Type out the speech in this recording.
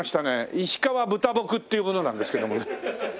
「石川豚木」っていう者なんですけどもね。